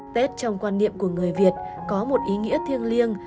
tết trong quan niệm của người việt có một ý nghĩa thiêng liêng